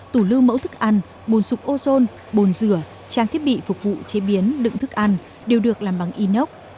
tủ lưu mẫu thức ăn bồn sụp ozone bồn rửa trang thiết bị phục vụ chế biến đựng thức ăn đều được làm bằng inox